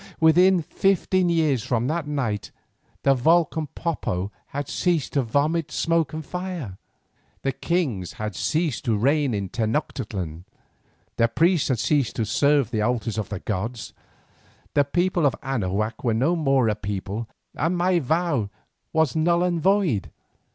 Within fifteen years from that night the volcan Popo had ceased to vomit smoke and fire, the kings had ceased to reign in Tenoctitlan, the priests had ceased to serve the altars of the gods, the people of Anahuac were no more a people, and my vow was null and void.